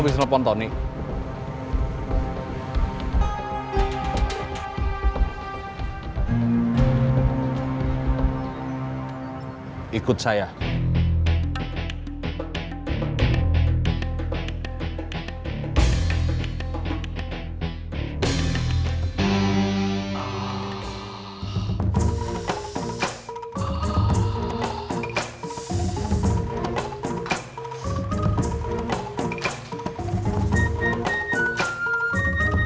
boleh pinjem hapenya